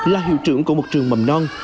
là hiệu trưởng của một trường mầm non